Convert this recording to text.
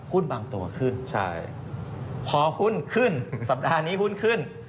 บางตัวขึ้นใช่พอหุ้นขึ้นสัปดาห์นี้หุ้นขึ้น